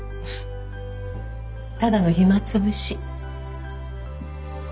ただの暇つぶし。